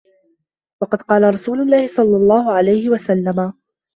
وَقَدْ قَالَ رَسُولُ اللَّهِ صَلَّى اللَّهُ عَلَيْهِ وَسَلَّمَ